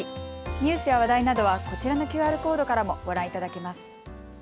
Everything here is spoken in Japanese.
ニュースや話題などはこちらのＱＲコードからもご覧いただけます。